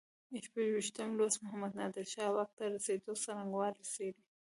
شپږویشتم لوست محمد نادر شاه واک ته رسېدو څرنګوالی څېړي.